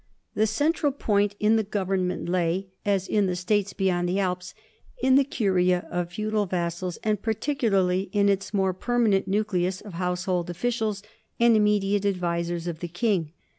The central point in the government lay, as in the states beyond the Alps, in the curia of feudal vassals and particularly in its more permanent nucleus of house hold officials and immediate advisers of the king.